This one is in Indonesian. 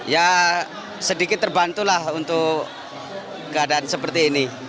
ya sedikit terbantulah untuk keadaan seperti ini